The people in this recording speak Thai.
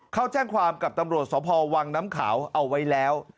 เขาแจ้งความกับตำรวจสพวังน้ำขาวเอาไว้แล้ว